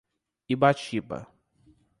Ibatiba